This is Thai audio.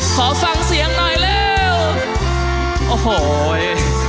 ขอฟังเสียงหน่อยเร็วโอ้โห